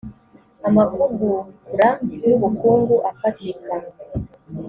amavugura y ubukungu afatika